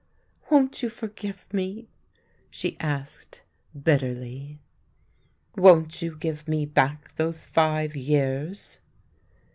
" Won't you forgive me? " she asked bitterly. " Won't you give me back those five years